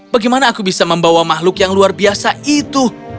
bagaimana aku bisa membawa makhluk yang luar biasa itu